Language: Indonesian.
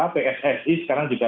pssi sekarang juga